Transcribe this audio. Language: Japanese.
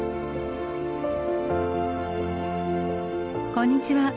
こんにちは。